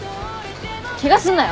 ケガすんなよ。